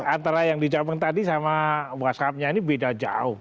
antara yang dicapkan tadi sama whatsappnya ini beda jauh